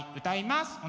歌います。